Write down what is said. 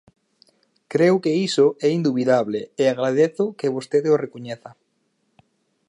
Creo que iso é indubidable e agradezo que vostede o recoñeza.